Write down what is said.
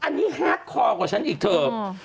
อันนี้แฮกคอกว่าฉันอีกเถิด